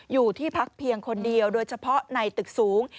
อยู่ที่พักเพียงคนเดียวโดยเฉพาะในตึกสูง